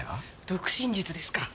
読心術ですか？